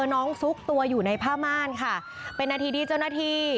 น้องสุกตัวอยู่ในพามารค่ะเป็นอาทิตย์ดีเจ้าหน้าที่